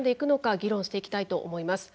議論していきたいと思います。